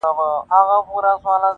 که خوله وازه کړمه مځکي ته رالوېږم -